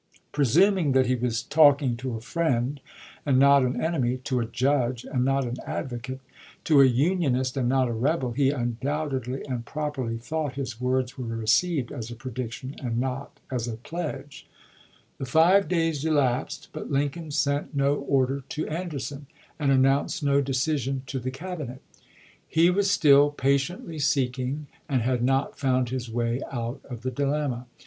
Pre suming that he was talking to a friend and not an enemy, to a judge and not an advocate, to a union ist and not a rebel, he undoubtedly and properly thought his words were received as a prediction, and not as a pledge. THE KEBEL GAME 409 The five days elapsed, but Lincoln sent no order ch. xxiv. to Anderson, and announced no decision to the Cabinet. He was still patiently seeking, and had not found his way out of the dilemma.